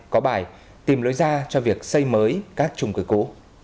có bài tìm lối ra cho việc xây mới các trung cư cũ